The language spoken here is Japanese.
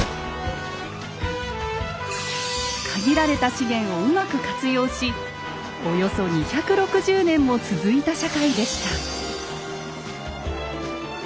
限られた資源をうまく活用しおよそ２６０年も続いた社会でした。